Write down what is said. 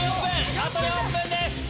あと４分です！